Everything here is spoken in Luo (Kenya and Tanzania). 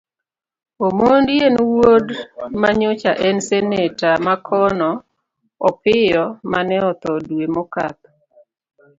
Omondi en wuod manyocha en seneta makono Opiyo mane otho dwe mokadho.